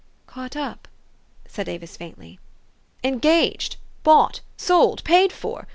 " Caught up ?" asked Avis faintly. " Engaged bought sold paid for.